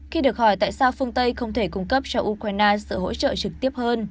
khi được hỏi tại sao phương tây không thể cung cấp cho ukraine sự hỗ trợ trực tiếp hơn